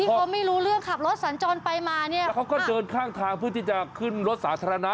เขาไม่รู้เรื่องขับรถสันจรไปมาเนี่ยแล้วเขาก็เดินข้างทางเพื่อที่จะขึ้นรถสาธารณะ